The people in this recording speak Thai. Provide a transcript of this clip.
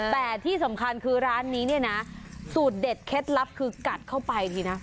แต่ที่สำคัญคือร้านนี้เนี่ยนะสูตรเด็ดเคล็ดลับคือกัดเข้าไปทีนะ